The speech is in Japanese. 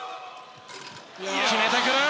決めてくる！